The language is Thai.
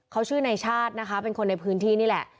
เขาชื่อในชาตินะคะเป็นคนในพื้นที่นี่แหละ